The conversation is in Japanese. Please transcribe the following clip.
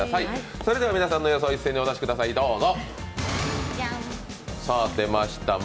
それでは皆さんの予想、一斉にお出しください、どうぞ。